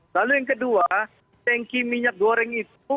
lalu yang kedua tanki minyak goreng itu